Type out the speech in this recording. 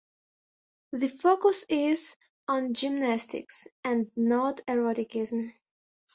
The focus is on gymnastics and not eroticism.